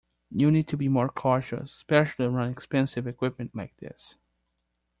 You need to be more cautious, especially around expensive equipment like this.